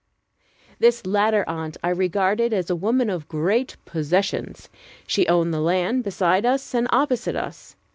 This latter aunt I regarded as a woman of great possessions. She owned the land beside us and opposite us.